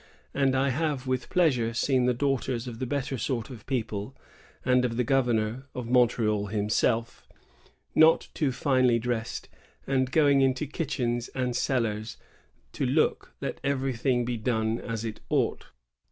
193 and I have with pleasure seen the daughters of the better sort of people, and of the governor [of Montreal] himself, not too finely dressed, and going into kitchens and cellars to look that everything be done as it ought.